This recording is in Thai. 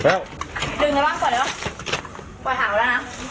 ปล่อยหาวแล้วนะ